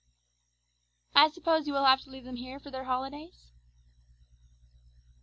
"I suppose you will have to leave them here for their holidays?"